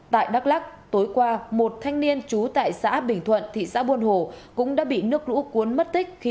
tại đắk lắc tối qua một thanh niên trú tại xã bình thuận thị xã buôn hồ cũng đã bị nước lũ cuốn mất tích